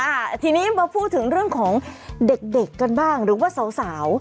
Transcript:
อ่าทีนี้มาพูดถึงเรื่องของเด็กเด็กกันบ้างหรือว่าสาวสาว